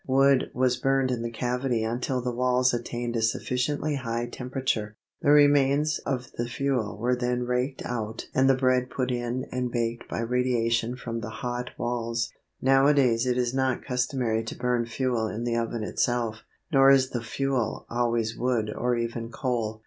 Wood was burned in the cavity until the walls attained a sufficiently high temperature. The remains of the fuel were then raked out and the bread put in and baked by radiation from the hot walls. Nowadays it is not customary to burn fuel in the oven itself, nor is the fuel always wood or even coal.